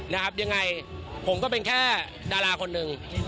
ยังไงผมก็เป็นแค่ดาราคนหนึ่ง